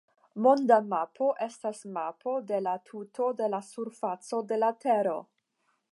Monda mapo estas mapo de la tuto de la surfaco de la Tero.